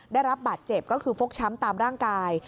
ได้รับบาดเจ็บก็คือฟกช้ำตามร่างกาย